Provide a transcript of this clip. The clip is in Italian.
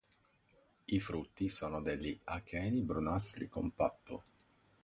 I frutti sono degli acheni brunastri con pappo.